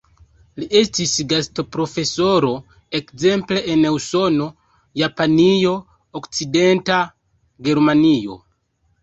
Li estis gastoprofesoro ekzemple en Usono, Japanio, Okcidenta Germanio.